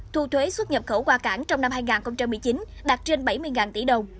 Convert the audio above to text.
thu thuế xuất nhập khẩu qua cảng trong năm hai nghìn một mươi chín đạt trên bảy mươi tỷ đồng